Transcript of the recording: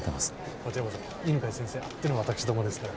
こちらこそ犬飼先生あっての私どもですから。